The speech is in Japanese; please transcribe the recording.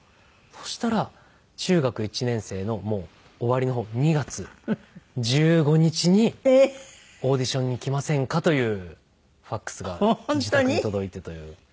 そしたら中学１年生の終わりの方２月１５日に「オーディションに来ませんか？」というＦＡＸが自宅に届いてという。